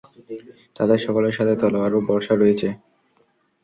তাদের সকলের সাথে তলোয়ার ও বর্শা রয়েছে।